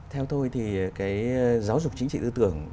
theo tôi thì cái giáo dục chính trị tư tưởng